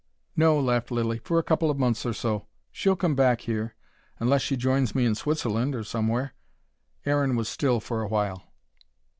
"No," laughed Lilly. "For a couple of months or so. She'll come back here: unless she joins me in Switzerland or somewhere." Aaron was still for a while.